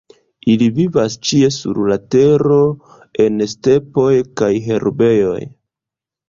Ili vivas ĉie sur la Tero, en stepoj kaj herbejoj.